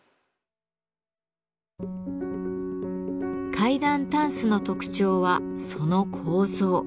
階段たんすの特徴はその構造。